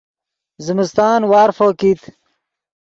زمستان وارفو کیت